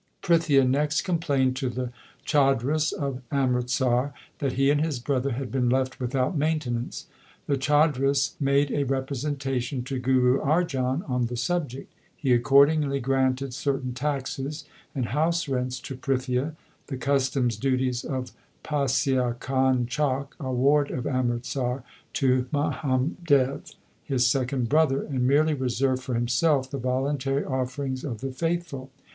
Prithia next complained to the chaudhris of Amritsar, that he and his brother had been left without maintenance. The chaudhris made a representation to Guru Arjan on the subject. He accordingly granted certain taxes and house rents to Prithia, the customs duties of Pasian ka Chauk (a ward of Amritsar) to Mahadev, his second brother, and merely reserved for himself the volun tary offerings of the faithful.